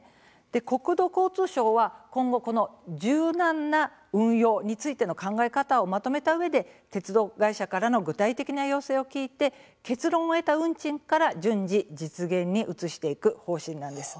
国土交通省は、今後柔軟な運用についての考え方をまとめたうえで鉄道会社からの具体的な要請を聞いて結論を得た運賃から順次実現に移していく方針なんです。